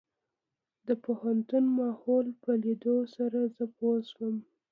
د پوهنتون ماحول په ليدلو سره زه پوه شوم.